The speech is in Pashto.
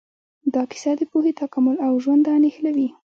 دا کیسه د پوهې، تکامل او ژونده نښلوي.